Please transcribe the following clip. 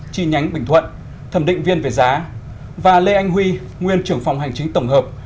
chi nhánh bình thuận thẩm định viên về giá và lê anh huy nguyên trưởng phòng hành chính tổng hợp